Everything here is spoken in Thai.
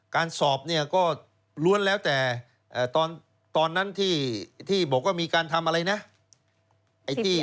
การสอบเนี่ยก็ล้วนแล้วแต่ตอนนั้นที่บอกว่ามีการทำอะไรนะ